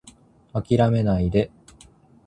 諦めないで